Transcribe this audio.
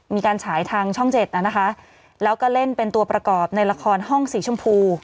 ฉายทางช่องเจ็ดนะคะแล้วก็เล่นเป็นตัวประกอบในละครห้องสีชมพู